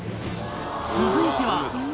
続いては